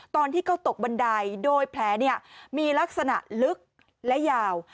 ตอนที่เขาตกบันไดโดยแผลมีลักษณะลึกและยาว